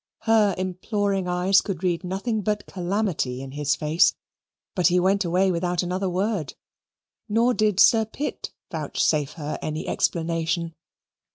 Her imploring eyes could read nothing but calamity in his face, but he went away without another word. Nor did Sir Pitt vouchsafe her any explanation.